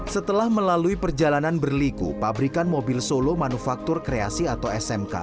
setelah melalui perjalanan berliku pabrikan mobil solo manufaktur kreasi atau smk